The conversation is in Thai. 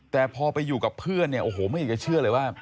แต่พอไปอยู่กับเพื่อนเนี่ยโอ้โหไม่อยากจะเชื่อเลยว่า